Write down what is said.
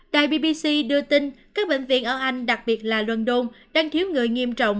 đài bbc đưa tin các bệnh viện ở anh đặc biệt là london đang thiếu người nghiêm trọng